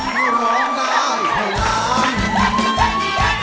เพราะฉะนั้นคุณร้องได้ครับ